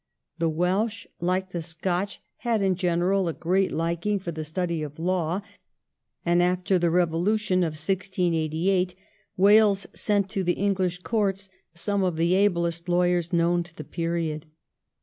The Welsh, hke the Scotch, had in general a great liking for the study of law, and, after the Eevolution of 1688, Wales sent to the English courts some of the ablest lawyers known to the period.